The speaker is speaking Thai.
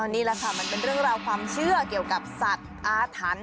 นี่แหละค่ะมันเป็นเรื่องราวความเชื่อเกี่ยวกับสัตว์อาถรรพ์